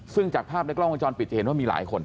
ซึ่งจากภาพในกล้องวงจรปิดจะเห็นว่ามีหลายคน